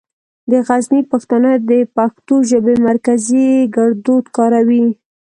د غزني پښتانه د پښتو ژبې مرکزي ګړدود کاروي.